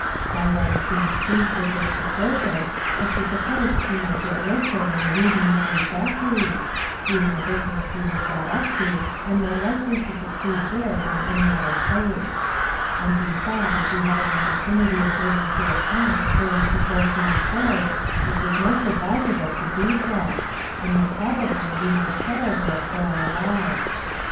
My wife seemed pleased with this proposal, as she supposed she might get work there in the weaving manufactory, being the business she was brought up to, and more likely to succeed there than any other place; and we thought as we had an opportunity of moving to a Town where we could both be employ'd it was most adviseable to do so; and that probably we might settle there for our lives.